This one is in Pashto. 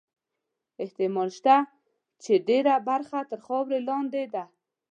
احتمال شته چې ډېره برخه تر خاورو لاندې ده.